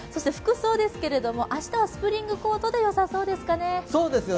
服装ですけれども、明日はスプリングコートでよさそうですかね。